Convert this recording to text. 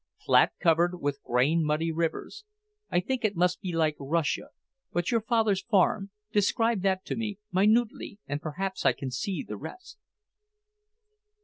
"Flat covered with grain muddy rivers. I think it must be like Russia. But your father's farm; describe that to me, minutely, and perhaps I can see the rest."